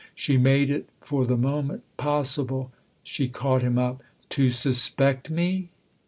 " She made it for the moment possible She caught him up. " To suspect me